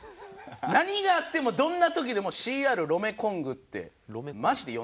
何があってもどんな時でもＣＲロメコングってマジで呼んでくれ」と。